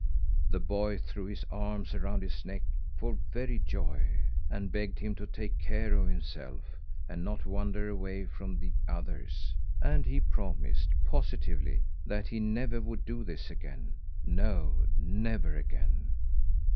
The boy threw his arms around his neck, for very joy, and begged him to take care of himself, and not wander away from the others. And he promised, positively, that he never would do this again. No, never again.